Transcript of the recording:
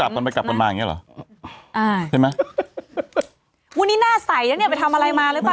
วันนี้หน้าใสนะเนี่ยไปทำอะไรมาหรือเปล่า